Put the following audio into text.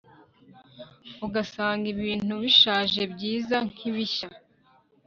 ugasanga ibintu bishaje byiza nkibishya